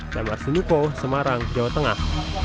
jamar sunuko semarang jawa tengah